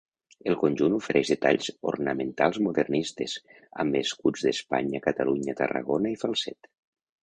El conjunt ofereix detalls ornamentals modernistes, amb escuts d'Espanya, Catalunya, Tarragona i Falset.